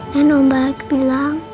dan om baik bilang